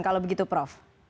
kalau begitu prof